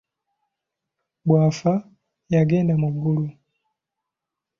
Bw’afa yagenda mu ggulu.